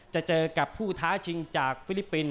จะเจอกับผู้ท้าชิงจากฟิลิปปินส